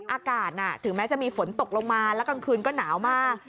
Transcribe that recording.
อากาศถึงแม้จะมีฝนตกลงมาแล้วกลางคืนก็หนาวมาก